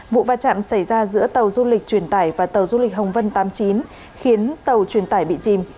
vụ va chạm xảy ra giữa tàu du lịch truyền tải và tàu du lịch hồng vân tám mươi chín khiến tàu truyền tải bị chìm